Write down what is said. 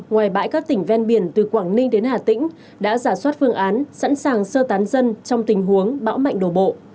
ngoài bãi các tỉnh ven biển từ quảng ninh đến hà tĩnh đã giả soát phương án sẵn sàng sơ tán dân trong tình huống bão mạnh đổ bộ